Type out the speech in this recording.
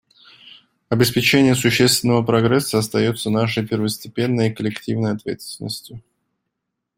Обеспечение существенного прогресса остается нашей первостепенной и коллективной ответственностью.